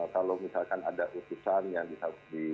kalau misalkan ada utusan yang di